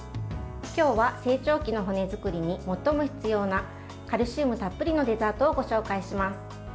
今日は、成長期の骨作りに最も必要なカルシウムたっぷりのデザートをご紹介します。